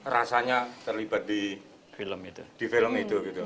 rasanya terlibat di film itu